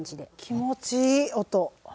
気持ちいい音。